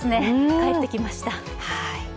帰ってきました。